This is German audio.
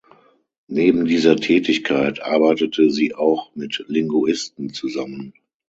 Neben dieser Tätigkeit arbeitete sie auch mit Linguisten zusammen.